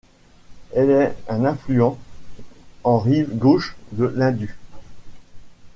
Elle est un affluent en rive gauche de l'Indus.